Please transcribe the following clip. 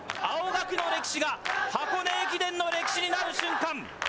青学の歴史が箱根駅伝の歴史になる瞬間。